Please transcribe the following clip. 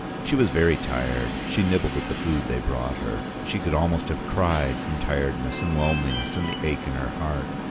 She was very tired. She nibbled at the food they brought her. She could almost have cried from tiredness and loneliness and the ache in her heart.